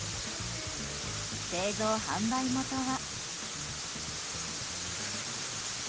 製造・販売元は。